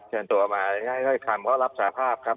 เชิญตัวมาง่ายคำก็รับสาภาพครับ